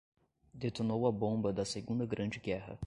Detonou a bomba da Segunda Grande Guerra